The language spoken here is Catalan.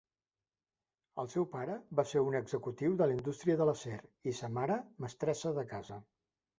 El seu pare va ser un executiu de la indústria de l'acer i sa mare mestressa de casa.